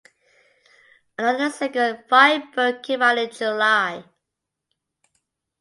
Another single "Fire Bird" came out in July.